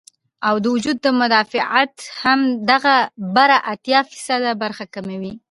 او د وجود مدافعت هم دغه بره اتيا فيصده برخه کموي